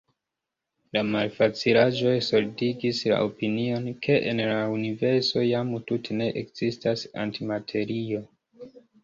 La malfacilaĵoj solidigis la opinion, ke en la universo jam tute ne ekzistas antimaterio.